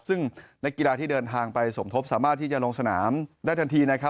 ซึ่งนักกีฬาที่เดินทางไปสมทบสามารถที่จะลงสนามได้ทันทีนะครับ